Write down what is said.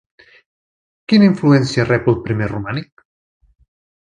Quina influència rep el primer romànic?